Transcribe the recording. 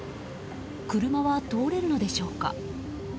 車は通れるのでしょうか。